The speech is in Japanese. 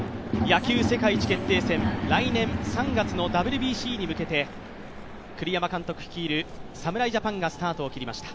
野球世界一決定戦、来年３月のＷＢＣに向けて栗山監督率いる侍ジャパンがスタートしました。